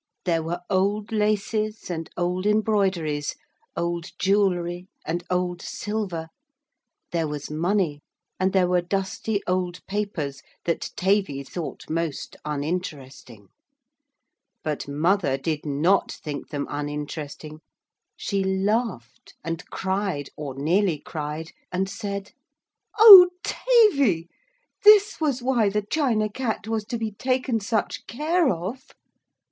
There were old laces and old embroideries, old jewelry and old silver; there was money, and there were dusty old papers that Tavy thought most uninteresting. But mother did not think them uninteresting. She laughed, and cried, or nearly cried, and said: 'Oh, Tavy, this was why the China Cat was to be taken such care of!'